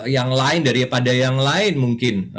yang lain daripada yang lain mungkin